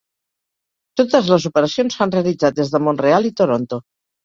Totes les operacions s'han realitzat des de Mont-real i Toronto.